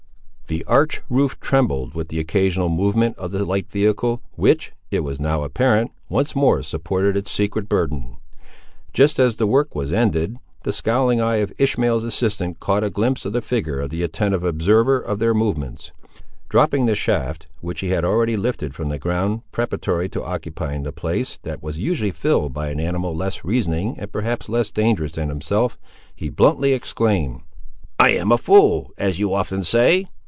The arched roof trembled with the occasional movement of the light vehicle which, it was now apparent, once more supported its secret burden. Just as the work was ended the scowling eye of Ishmael's assistant caught a glimpse of the figure of the attentive observer of their movements. Dropping the shaft, which he had already lifted from the ground preparatory to occupying the place that was usually filled by an animal less reasoning and perhaps less dangerous than himself, he bluntly exclaimed— "I am a fool, as you often say!